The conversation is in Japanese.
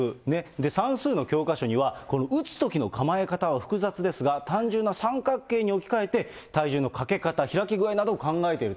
算数の教科書には、この打つときの構え方は複雑ですが、単純な三角形に置き換えて、体重のかけ方、開き具合などを考えている。